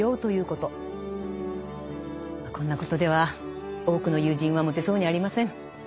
こんなことでは多くの友人は持てそうにありません。